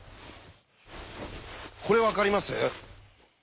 これ分かります？